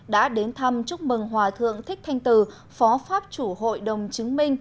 đã đến thăm chúc mừng hòa thượng thích thanh từ phó pháp chủ hội đồng chứng minh